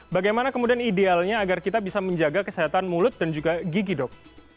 bagaimana kemudian idealnya agar kita bisa menjaga kesehatan mulut dan juga gigi dok